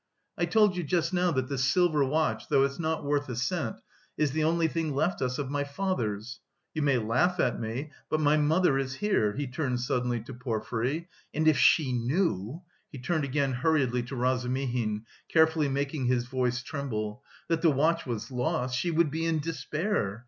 I told you just now that the silver watch, though it's not worth a cent, is the only thing left us of my father's. You may laugh at me, but my mother is here," he turned suddenly to Porfiry, "and if she knew," he turned again hurriedly to Razumihin, carefully making his voice tremble, "that the watch was lost, she would be in despair!